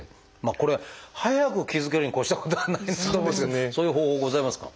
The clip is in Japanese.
これは早く気付けるに越したことはないなと思うんですけどそういう方法ございますか？